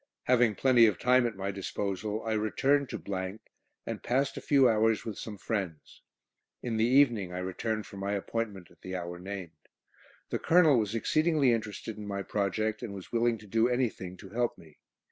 Having plenty of time at my disposal, I returned to , and passed a few hours with some friends. In the evening I returned for my appointment at the hour named. The Colonel was exceedingly interested in my project, and was willing to do anything to help me.